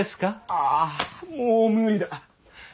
ああもう無理だ。